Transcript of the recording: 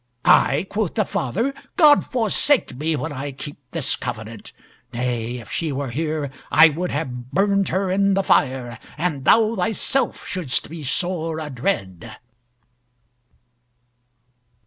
"I?" quoth the father; "God forsake me when I keep this covenant! Nay, if she were here, I would have burned her in the fire, and thou thyself shouldst be sore adread."